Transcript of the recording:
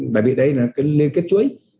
bởi vì đấy là cái liên kết chuối